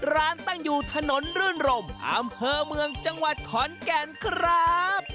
ร้านตั้งอยู่ถนนรื่นรมอำเภอเมืองจังหวัดขอนแก่นครับ